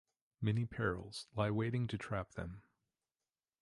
Many perils lie waiting to trap them.